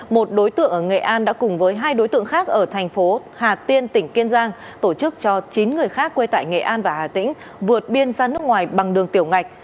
một đối tượng ở nghệ an đã cùng với hai đối tượng khác ở thành phố hà tiên tỉnh kiên giang tổ chức cho chín người khác quê tại nghệ an và hà tĩnh vượt biên ra nước ngoài bằng đường tiểu ngạch